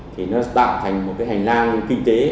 thì nó tạo thành một cái hành lang kinh tế